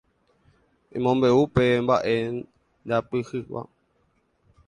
Emombe'u upe mba'e ndeapyhýva.